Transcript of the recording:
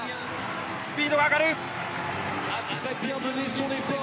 スピードが上がる！